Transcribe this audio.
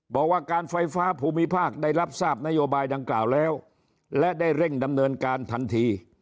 บอกว่าการไฟฟ้าภูมิภาคได้รับทราบนโยบายดังกล่าวแล้วและได้เร่งดำเนินการทันที